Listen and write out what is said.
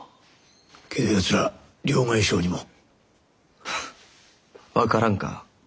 けど奴ら両替商にも。分からんか？